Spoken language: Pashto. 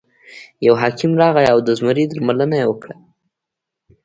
یو حکیم راغی او د زمري درملنه یې وکړه.